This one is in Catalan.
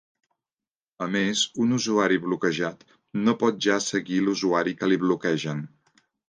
A més, un usuari bloquejat no pot ja seguir l'usuari que li bloquegen.